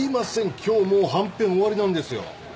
今日もうはんぺん終わりなんですよ。